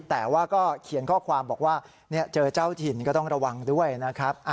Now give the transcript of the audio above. แต่ว่าก็เขียนข้อความบอกว่าเจอเจ้าถิ่นก็ต้องระวังด้วยนะครับ